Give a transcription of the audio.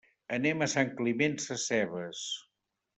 Anem a Sant Climent Sescebes.